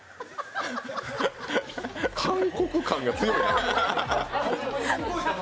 韓国感が強い。